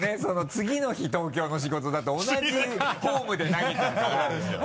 次の日東京の仕事だと同じフォームで投げちゃうから。